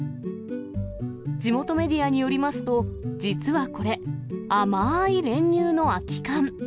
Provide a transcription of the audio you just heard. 地元メディアによりますと、実はこれ、甘ーい練乳の空き缶。